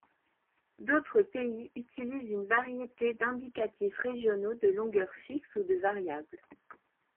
D'autres pays utilisent une variété d'indicatifs régionaux de longueur fixe ou de variable.